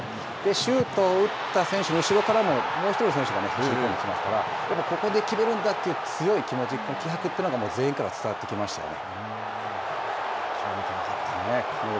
シュートを打った選手の後ろからも、もう１人の選手が走り込んできますから、ここで決めるんだという強い気持ち、気迫というのが、全員から伝わってきましたよね。